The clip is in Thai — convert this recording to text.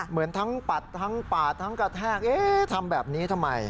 เหมือนทั้งปัดทั้งปาดทั้งกระแทกเอ๊ะทำแบบนี้ทำไม